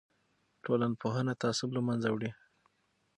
ټولنپوهنه تعصب له منځه وړي.